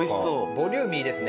ボリューミーですね。